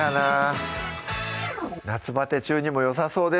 夏バテ中にもよさそうです